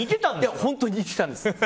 本当に似てたんです。